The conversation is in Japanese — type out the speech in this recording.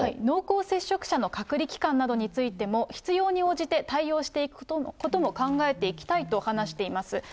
濃厚接触者の隔離期間などについても、必要に応じて対応していくことも考えていきたいと話しています。